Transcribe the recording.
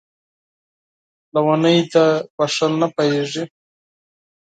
لېونۍ ده ، په ښه نه پوهېږي!